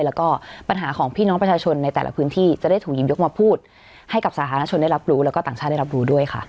แล้วก็ปัญหาของพี่น้องประชาชนในแต่ละพื้นที่จะได้ถูกหยิบยกมาพูดให้กับสาธารณชนได้รับรู้แล้วก็ต่างชาติได้รับรู้ด้วยค่ะ